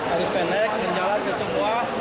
arus pendek menjalan ke semua